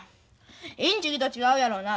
インチキと違うやろうな？